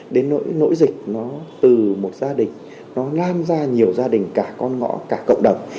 đến nỗi dịch nó từ một gia đình nó lan ra nhiều gia đình cả con ngõ cả cộng đồng